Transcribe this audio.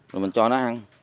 rồi mình cho nó ăn